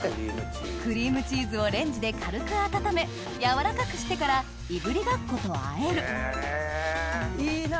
クリームチーズをレンジで軽く温め軟らかくしてからいぶりがっことあえるいいな！